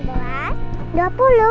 ay berapa ini harga